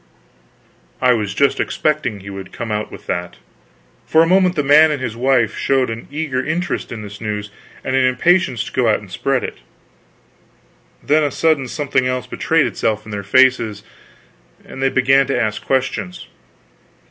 I was just expecting he would come out with that. For a moment the man and his wife showed an eager interest in this news and an impatience to go out and spread it; then a sudden something else betrayed itself in their faces, and they began to ask questions.